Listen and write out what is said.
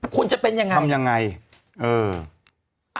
คุณจะเป็นยังไงทำยังไงเออ